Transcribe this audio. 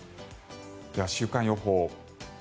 では、週間予報。